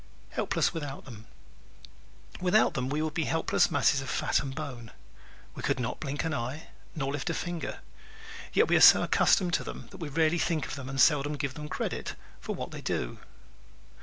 Helpless Without Them ¶ Without them we would be helpless masses of fat and bone; we could not blink an eye nor lift a finger. Yet we are so accustomed to them that we rarely think of them and seldom give them credit for what they do.